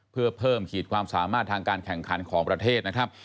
เพื่อเพิ่มขีดความสามารถทางการแข่งขันของประเทศนะครับ